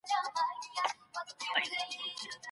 زه به ستا د حق دفاع وکړم.